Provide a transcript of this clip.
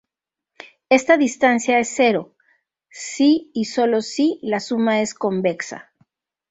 Esta distancia es cero si y solo si la suma es convexa.